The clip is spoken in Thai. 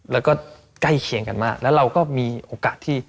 แล้วก็ใกล้เคียงกันมากแล้วเราก็มีโอกาสที่